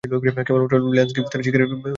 কেবলমাত্র Lance Gibbs তার শিকারের বাইরে ছিলেন।